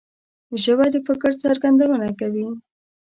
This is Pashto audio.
ژبه د فکر څرګندونه کوي